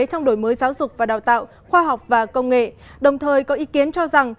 trong đổi mới giáo dục và đào tạo khoa học và công nghệ đồng thời có ý kiến cho rằng